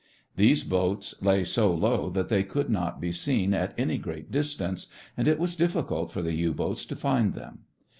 These boats lay so low that they could not be seen at any great distance, and it was difficult for the U boats to find them.